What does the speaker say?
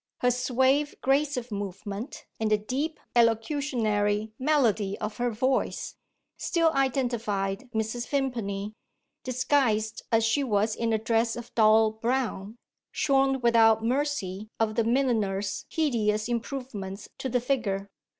Her suave grace of movement, and the deep elocutionary melody of her voice, still identified Mrs. Vimpany disguised as she was in a dress of dull brown, shorn without mercy of the milliner's hideous improvements to the figure.